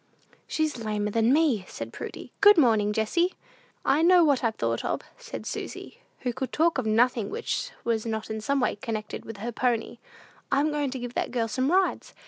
"She's lamer than me," said Prudy. "Good morning, Jessie." "I know what I've thought of," said Susy, who could talk of nothing which was not in some way connected with her pony. "I'm going to give that girl some rides.